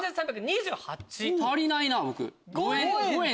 足りないな僕。